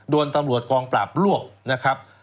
โดนตำรวจกองปราบรวบนะครับ